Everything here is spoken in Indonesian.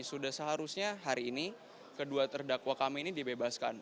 sudah seharusnya hari ini kedua terdakwa kami ini dibebaskan